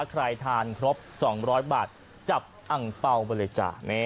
ใครทานครบ๒๐๐บาทจับอังเปล่าไปเลยจ้ะ